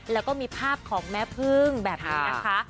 แล้วก็มีภาพของแม่พึ่งแบบนี้นะคะ